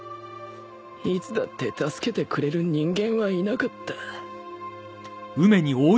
いつだって助けてくれる人間はいなかった